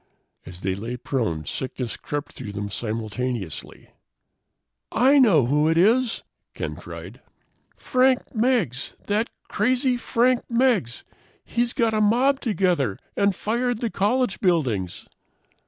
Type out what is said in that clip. As they lay prone, sickness crept through them simultaneously. "I know who it is," Ken cried. "Frank Meggs. That crazy Frank Meggs! He's got a mob together and fired the college buildings!"